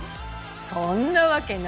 そんなわけないでしょ。